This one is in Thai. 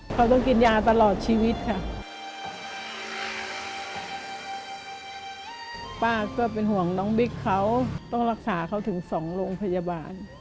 ป้าก็เป็นห่วงน้องบิ๊กเขาต้องรักษาเขาถึงสองโรงพยาบาล